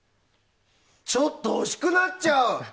ちょっと欲しくなっちゃう！